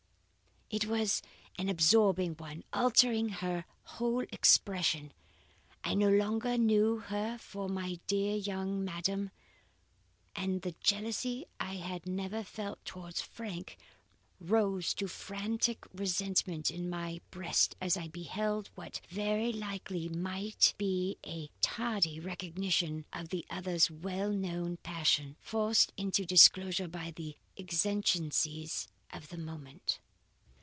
It was an absorbing one, altering her whole expression. I no longer knew her for my dear young madam, and the jealousy I had never felt towards Frank rose to frantic resentment in my breast as I beheld what very likely might be a tardy recognition of the other's well known passion, forced into disclosure by the exigencies of the moment.